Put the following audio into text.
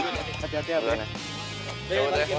cepet ya be